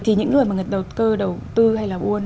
thì những người mà người đầu cơ đầu tư hay là buôn